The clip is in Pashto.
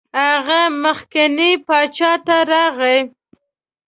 هغه مخکني باچا ته راغی.